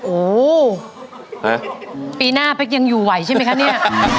โอ้โหปีหน้าเป๊กยังอยู่ไหวใช่ไหมคะเนี่ย